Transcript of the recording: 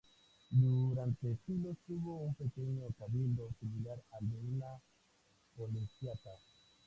Durante siglos tuvo un pequeño cabildo, similar al de una colegiata.